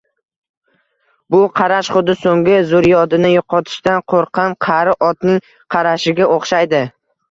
Bu qarash xuddi soʻnggi zurriyodini yoʻqotishdan qoʻrqqan qari otning qarashiga oʻxshaydi